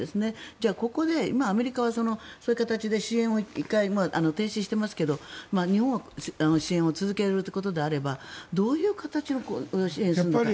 じゃあ、ここでアメリカはそういう形で支援を１回停止していますが日本は支援を続けるということであればどういう形で支援をするのか。